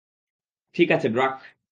ঠিক আছে, ড্রাক।